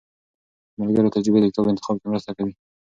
د ملګرو تجربې د کتاب انتخاب کې مرسته کوي.